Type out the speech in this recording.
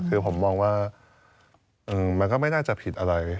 คือผมมองว่ามันก็ไม่น่าจะผิดอะไร